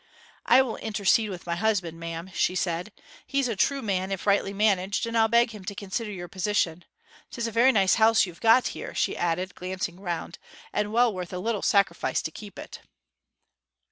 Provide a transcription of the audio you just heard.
'I will intercede with my husband, ma'am,' she said. 'He's a true man if rightly managed; and I'll beg him to consider your position. 'Tis a very nice house you've got here,' she added, glancing round, 'and well worth a little sacrifice to keep it.'